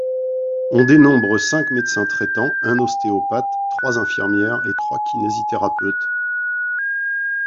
On dénombre cinq médecins traitants, un ostéopathe, trois infirmières et trois kinésithérapeutes.